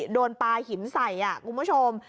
โดนปลาหินใส่คุณผู้ชม